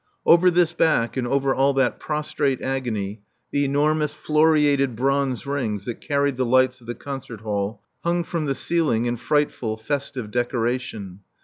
Over this back and over all that prostrate agony the enormous floriated bronze rings that carried the lights of the concert hall hung from the ceiling in frightful, festive decoration.